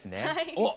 おっ！